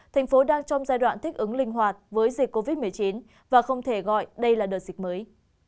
thành phố đang trong giai đoạn thích ứng linh hoạt với dịch covid một mươi chín và không thể gọi đây là đợt dịch mới